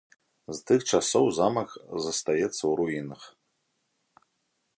З тых часоў замак застаецца ў руінах.